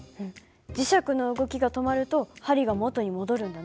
磁石の動きが止まると針が元に戻るんだね。